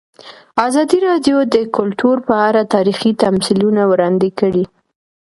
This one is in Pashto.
ازادي راډیو د کلتور په اړه تاریخي تمثیلونه وړاندې کړي.